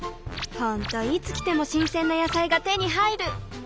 ほんといつ来ても新鮮な野菜が手に入る！